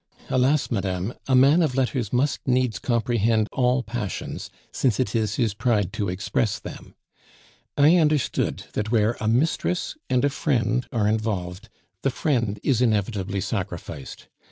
Alas! madame, a man of letters must needs comprehend all passions, since it is his pride to express them; I understood that where a mistress and a friend are involved, the friend is inevitably sacrificed.